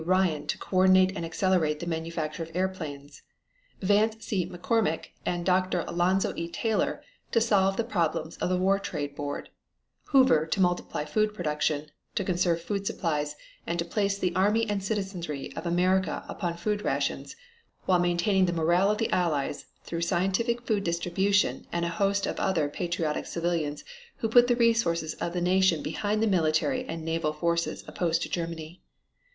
Ryan to coordinate and accelerate the manufacture of airplanes, Vance C. McCormick and Dr. Alonzo E. Taylor to solve the problems of the War Trade Board, Hoover to multiply food production, to conserve food supplies and to place the army and citizenry of America upon food rations while maintaining the morale of the Allies through scientific food distribution and a host of other patriotic civilians who put the resources of the nation behind the military and naval forces opposed to Germany.